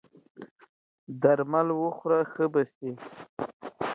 درمل وخوره ښه به سې!